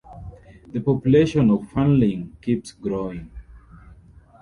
The population of Fanling keeps growing.